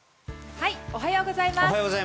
おはようございます。